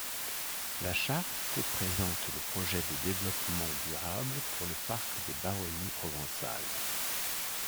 La charte présente le projet de développement durable pour le parc des Baronnies provençales.